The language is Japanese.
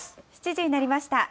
７時になりました。